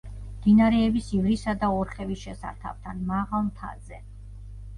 მდინარეების ივრისა და ორხევის შესართავთან, მაღალ მთაზე.